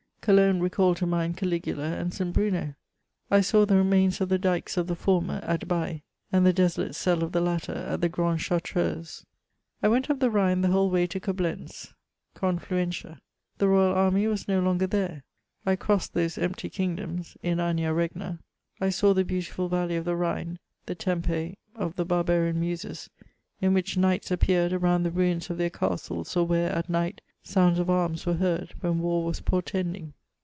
Cologne recalled to mmd Caligula and St. Bruno. I saw the remains of the dikes of the former at Bales, and the deso« late cell of the latter at the Grande Chartreuse, I went up the Rhine the whole way to Coblentz (ConftU" entia). The royal army was no longer there. I crossed those empty kingdoms (inania regna) : 1 saw the beautiful valley of the Rhine, the Tempo of the barbarian muses, in which knights appeared around the ruins of their castles, or where, ait night, sounds of arms were heard, when war was portending.